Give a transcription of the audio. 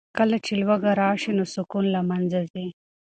کله چې لوږه راشي نو سکون له منځه ځي.